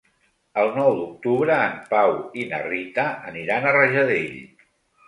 El nou d'octubre en Pau i na Rita aniran a Rajadell.